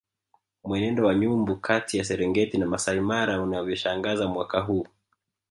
Mwenendo wa nyumbu kati ya Serengeti na Maasai Mara unavyoshangaza mwaka huu